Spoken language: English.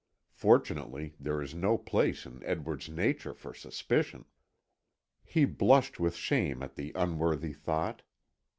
Fortunately there is no place in Edward's nature for suspicion." He blushed with shame at the unworthy thought.